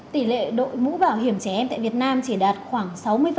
tỷ lệ đội mũ bảo hiểm trẻ em tại việt nam chỉ đạt khoảng sáu mươi